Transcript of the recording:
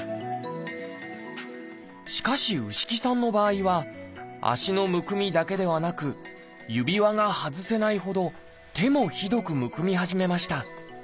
しかし牛木さんの場合は足のむくみだけではなく指輪が外せないほど手もひどくむくみ始めました。